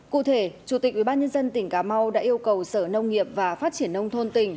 cụ thể chủ tịch ubnd tỉnh cà mau đã yêu cầu sở nông nghiệp và phát triển nông thôn tỉnh